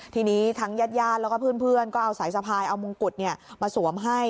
ทีนี้ทั้งญาติแล้วก็เพื่อนก็เอาสายสะพายเอามงกุฎมาสวมให้